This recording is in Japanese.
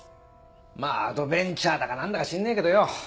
まあアドベンチャーだかなんだか知んねえけどよ